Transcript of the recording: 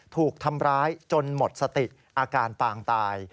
ถูกทำร้ายจนหมดสติอาการปางตาย